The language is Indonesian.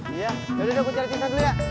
iya yaudah gue cari pingsan dulu ya